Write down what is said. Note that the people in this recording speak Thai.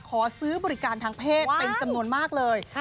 ขอซื้อบริการทางเพศเป็นจำนวนมากเลย